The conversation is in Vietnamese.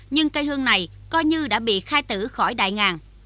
nhưng cây hương này coi như đã bị khai tử khỏi đại ngàn